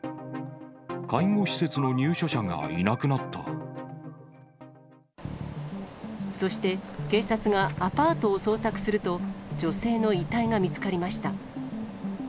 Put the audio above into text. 介護施設の入所者がいなくなそして、警察がアパートを捜索すると、女性の遺体が見つかりました。